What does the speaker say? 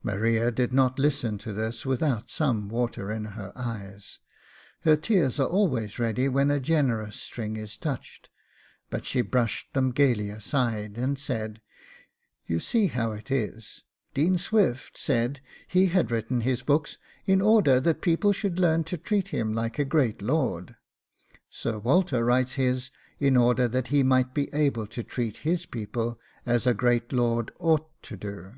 'Maria did not listen to this without some water in her eyes, her tears are always ready when a generous string is touched, but she brushed them gaily aside, and said, "You see how it is: Dean Swift said he had written his books in order that people should learn to treat him like a great lord; Sir Walter writes his in order that he might be able to treat his people as a great lord ought to do."